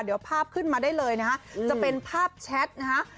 เดี๋ยวภาพขึ้นมาได้เลยนะฮะจะเป็นภาพแชทนะฮะ